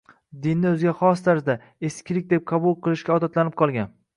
Dinni o‘ziga xos tarzda, “eskilik” deb qabul qilishga odatlanib qolgan